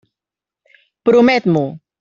Promet-m'ho.